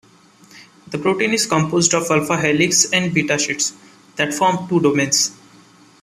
The protein is composed of alpha helices and beta sheets that form two domains.